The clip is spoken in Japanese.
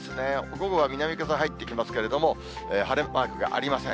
午後は南風入ってきますけれども、晴れマークがありません。